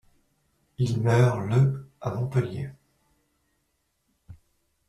Il meurt le à Montpellier.